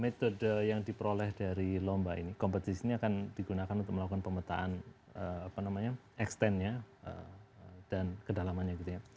metode yang diperoleh dari lomba ini kompetisi ini akan digunakan untuk melakukan pemetaan extendnya dan kedalamannya gitu ya